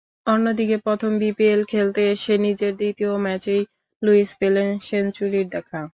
অন্যদিকে প্রথম বিপিএল খেলতে এসে নিজের দ্বিতীয় ম্যাচেই লুইস পেলেন সেঞ্চুরির দেখা।